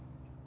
agar aku bisa